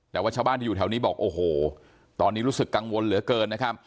แต่ว่าชาวบ้านที่อยู่แถวนี้บอกโอ้โหตอนนี้รู้สึกกังวลเหลือเกินนะครับ